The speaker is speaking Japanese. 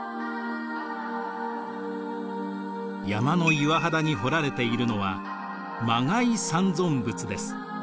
山の岩肌に彫られているのは磨崖三尊仏です。